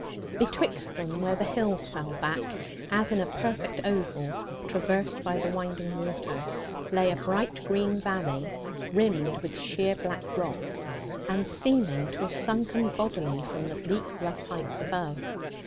Betwixt them, where the hills fell back, as in a perfect oval, traversed by the winding water, lay a bright green valley, rimmed with sheer black rock, and seeming to have sunken bodily from the bleak rough heights above.